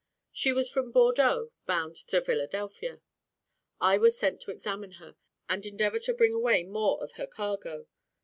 She was from Bordeaux, bound to Philadelphia. I was sent to examine her, and endeavour to bring away more of her cargo.